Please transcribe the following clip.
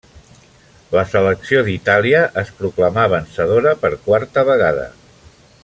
La selecció d'Itàlia es proclamà vencedora per quarta vegada.